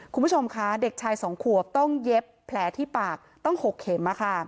คุณผู้ชมคะเด็กชาย๒ขวบต้องเย็บแผลที่ปากต้อง๖เข็ม